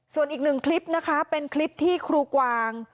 ส่วนอีกหนึ่งคลิปนะคะเป็นคลิปที่ครูกวาง